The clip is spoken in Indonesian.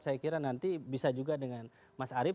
saya kira nanti bisa juga dengan mas arief